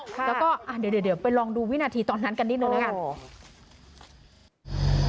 แล้วก็เดี๋ยวไปลองดูวินาทีตอนนั้นกันนิดนึงแล้วกัน